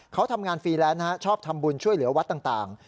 เขาทำงานฟรีแลนซ์ชอบทำบุญช่วยเหลือวัดต่าง